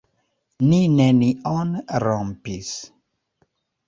Ni nenion rompis.